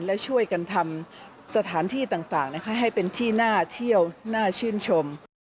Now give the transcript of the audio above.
และช่วยกันทำสถานที่ต่างให้เป็นที่น่าเที่ยวน่าชื่นชม